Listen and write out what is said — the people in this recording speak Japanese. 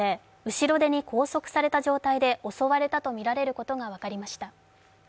後ろ手に拘束された状態で襲われたとみられることが分かりました。